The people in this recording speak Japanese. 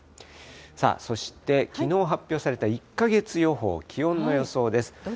さあ、そしてきのう発表された１か月予報、気温の予想です。